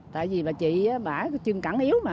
tại vì bà chị bà chương cẳng yếu